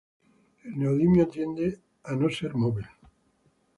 El neodimio tiende a no ser móvil.